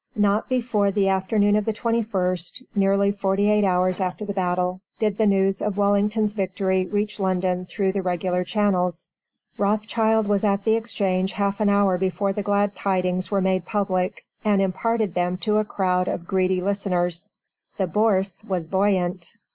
Not before the afternoon of the 21st nearly forty eight hours after the battle did the news of Wellington's victory reach London through the regular channels. Rothschild was at the Exchange half an hour before the glad tidings were made public, and imparted them to a crowd of greedy listeners. The Bourse was buoyant.